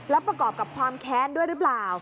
แล้วประกอบกับความแค้นด้วยหรือเปล่า